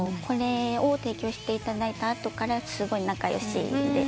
これを提供していただいた後からすごい仲良しで。